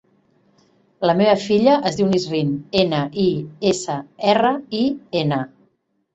La meva filla es diu Nisrin: ena, i, essa, erra, i, ena.